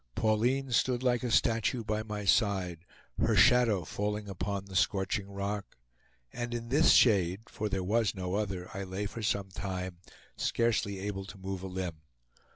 Pauline stood like a statue by my side, her shadow falling upon the scorching rock; and in this shade, for there was no other, I lay for some time, scarcely able to move a limb.